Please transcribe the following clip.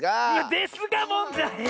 ですがもんだい！